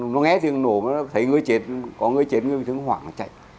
nó nghe tiếng nổ mà nó thấy người chết có người chết người bị thương nó hoảng nó chạy